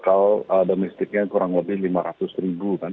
kalau domestiknya kurang lebih lima ratus ribu kan